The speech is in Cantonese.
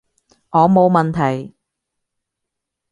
我冇問題